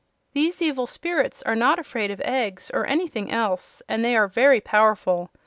These evil spirits are not afraid of eggs or anything else, and they are very powerful.